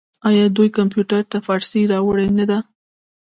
آیا دوی کمپیوټر ته فارسي راوړې نه ده؟